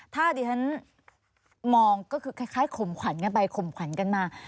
ถ้าดิฉันมองก็คือคล้ายขมขวัญกันไปข่มขวัญกันมา